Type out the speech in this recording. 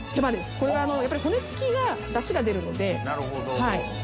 これがやっぱり骨付きがダシが出るので。